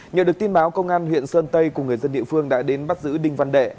nhờ được tin báo công an huyện sơn tây cùng người dân địa phương đã đến bắt giữ đinh văn đệ